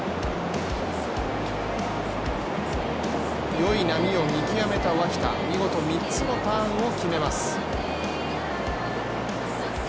よい波を見極めた脇田見事３つのターンを決めます。